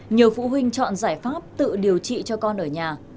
nhiều phụ huynh chọn giải pháp tự điều trị cho con ở nhà